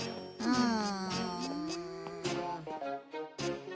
うん。